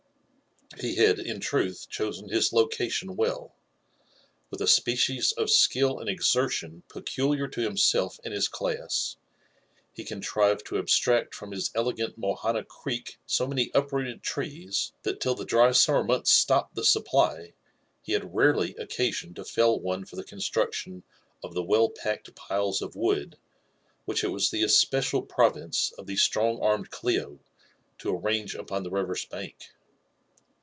He had, in truth, chosen his location well. With a species of skill and exertion peculiar to himself and his class, he contrived to abstract from his elegant Mohana Creek so many uprooted trees, that till the dry summer months stopped the supply, he had rarely occasion to fell one for the construction of the well packed piles of wood, which it was the especial province of the strong armed Clio to arrange upon the river's bank.